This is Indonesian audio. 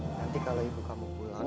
nanti kalau ibu kamu pulang